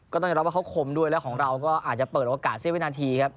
ก็ต้องรับว่าเขาคมด้วยแล้วของเราก็อาจจะเปิดโอกาส๗นาทีครับ